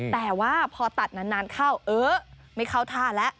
แต่ว่าพอตัดนานเข้าเออไม่เข้าท่าแล้ว